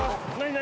何？